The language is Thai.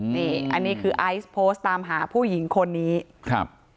นี่อันนี้คือไอซ์โพสต์ตามหาผู้หญิงคนนี้ครับ